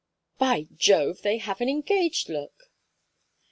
"By Jove, they have an engaged look!"